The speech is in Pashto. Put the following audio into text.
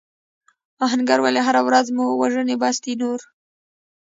آهنګر وویل هره ورځ مو وژني بس دی نور.